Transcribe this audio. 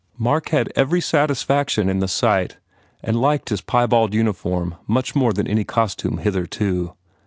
Mark had every satisfaction in the sight and liked his piebald uniform much more than any costume hitherto.